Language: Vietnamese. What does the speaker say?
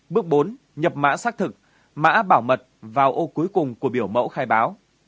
bước bốn nhập mã xác thực mã bảo mật vào ô cuối cùng của biểu mẫu khai báo